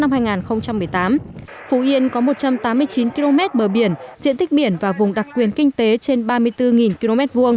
phú yên có một trăm tám mươi chín km bờ biển diện tích biển và vùng đặc quyền kinh tế trên ba mươi bốn km hai